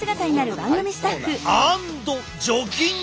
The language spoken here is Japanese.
アンド除菌！